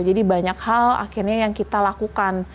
jadi banyak hal akhirnya yang kita lakukan